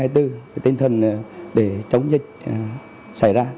tinh thần để chống dịch xảy ra